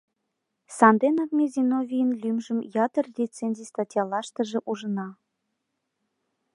Санденак ме Зиновийын лӱмжым ятыр рецензий-статьялаштыже ужына.